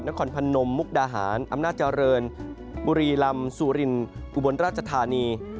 นครพนมมุกดาหารอำนาจเจริญบุรีลำสุรินอุบลราชธานี